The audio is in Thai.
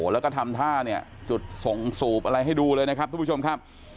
แล้วก็ทำท่าเนี่ยจุดส่งสูบอะไรให้ดูเลยนะครับทุกผู้ชมครับ